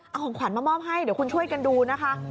เอาของขวัญมามอบให้เดี๋ยวคุณช่วยกันดูนะคะ